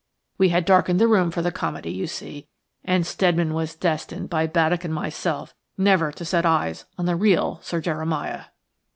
We had darkened the room for the comedy, you see, and Mr. Steadman was destined by Baddock and myself never to set eyes on the real Sir Jeremiah.